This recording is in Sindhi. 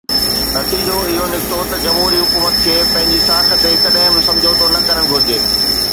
نتيجو اهو نڪتو ته جمهوري حڪومت کي پنهنجي ساک تي ڪڏهن به سمجهوتو نه ڪرڻ گهرجي.